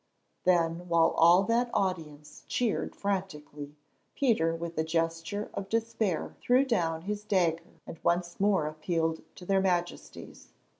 Then, while all that audience cheered frantically, Peter with a gesture of despair threw down his dagger and once more appealed to their Majesties.